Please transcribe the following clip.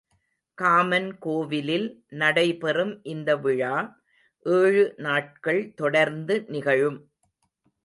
Common கோவிலில் நடைபெறும் இந்த விழா ஏழு நாள்கள் தொடர்ந்து நிகழும்.